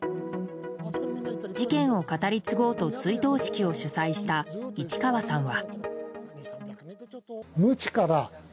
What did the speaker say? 事件を語り継ごうと追悼式を主催した市川さんは。